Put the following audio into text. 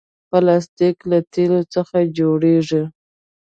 پلاستيک له تیلو څخه جوړېږي.